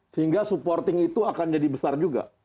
sehingga supporting itu akan jadi besar juga